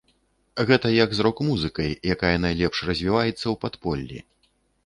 Гэта як з рок-музыкай, якая найлепш развіваецца ў падполлі.